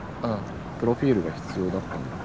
プロフィールが必要だったんだっけ？